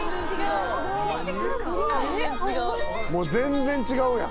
・全然違う！